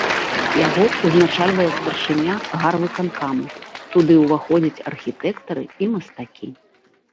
Яго ўзначальвае старшыня гарвыканкама, туды ўваходзяць архітэктары і мастакі.